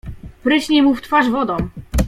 "Pryśnij mu w twarz wodą."